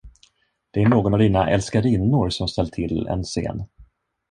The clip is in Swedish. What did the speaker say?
Det är någon av dina älskarinnor, som ställt till en scen.